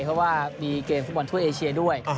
เพราะว่ามีเกมฟุตบอลทั่วเอเชียด้วย